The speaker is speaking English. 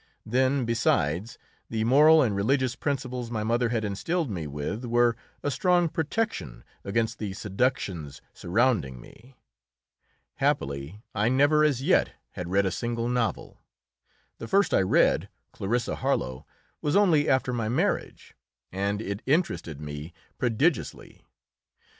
Then, besides, the moral and religious principles my mother had instilled me with were a strong protection against the seductions surrounding me. Happily I never as yet had read a single novel. The first I read, "Clarissa Harlowe," was only after my marriage, and it interested me prodigiously.